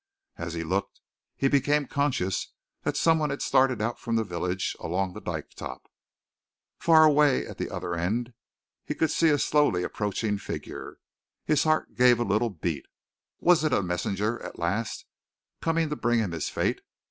As he looked, he became conscious that someone had started out from the village along the dyke top. Far away at the other end he could see a slowly approaching figure. His heart gave a little beat. Was it a messenger at last, coming to bring him his fate?